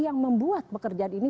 yang membuat pekerjaan ini